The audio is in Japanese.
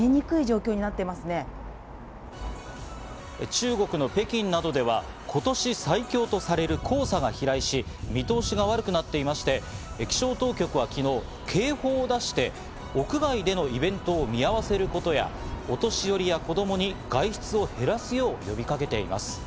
中国の北京などでは今年最強とされる黄砂が飛来し、見通しが悪くなっていまして、気象当局は昨日警報を出して、屋外でのイベントを見合わせることや、お年寄りや、子供に外出を減らすよう、呼びかけています。